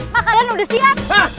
makanan udah siap